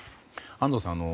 安藤さん